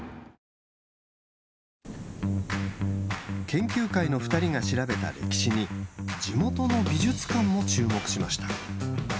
研究会の２人が調べた歴史に地元の美術館も注目しました。